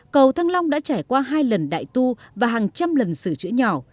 cầu thăng long đã trải qua hai lần đại tu và hàng trăm lần sửa chữa nhỏ